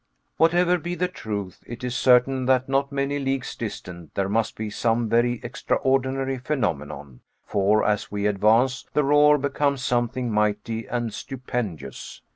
Whatever be the truth, it is certain that not many leagues distant there must be some very extraordinary phenomenon, for as we advance the roar becomes something mighty and stupendous.